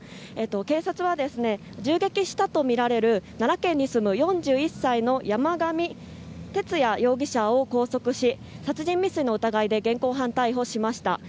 警察は銃撃したとみられる奈良県に住む４１歳の山上徹也容疑者を拘束し、殺人未遂の疑いで現行犯逮捕しました。